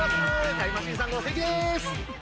タイムマシーン３号関です。